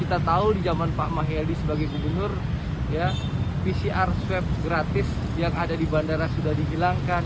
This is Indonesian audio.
kita tahu di zaman pak mahyedi sebagai gubernur pcr swab gratis yang ada di bandara sudah dihilangkan